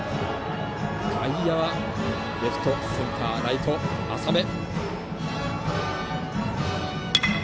外野はレフトセンター、ライト浅め。